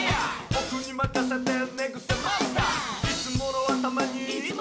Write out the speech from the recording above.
「ボクにまかせて寝ぐせマスター」「いつものあたまに」